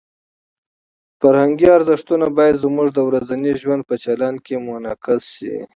فرهنګي ارزښتونه باید زموږ د ورځني ژوند په چلند کې منعکس شي.